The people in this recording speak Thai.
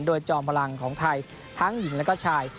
โดยจอมพลังของไทยทั้งหญิงและก็ชาย